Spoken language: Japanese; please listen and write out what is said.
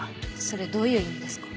それどういう意味ですか？